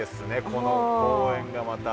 この公園がまた。